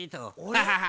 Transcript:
ハハハ。